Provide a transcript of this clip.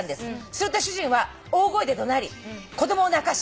「すると主人は大声で怒鳴り子供を泣かし